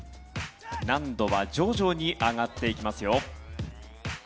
難度は徐々に上がっていきますよ。